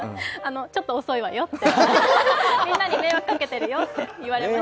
ちょっと遅いわよって、みんなに迷惑かけてるわよって言われました。